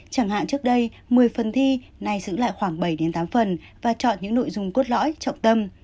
chẳng hạn trước đây một mươi phần thi này giữ lại khoảng bảy tám phần và chọn những nội dung cốt lõi trọng tâm